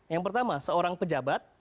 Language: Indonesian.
yang pertama seorang pejabat